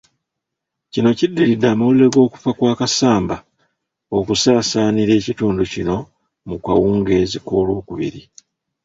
Kino kiddiridde amawulire g'okufa kwa Kasamba okusaasaanira ekitundu kino mu kawungeezi k'Olwookubiri.